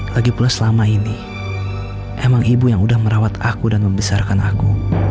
lagi pula selama ini emang ibu yang udah merawat aku dan membesarkan aku